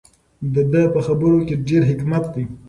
د ده په خبرو کې ډېر حکمت دی.